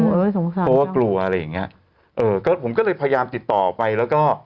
เพราะว่ากลัวอะไรอย่างเงี้ยเออก็ผมก็เลยพยายามติดต่อไปแล้วก็